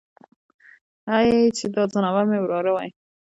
هی چې دا ځناور مې وراره وای.